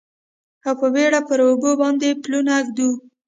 او په بیړه پر اوبو باندې پلونه ږدي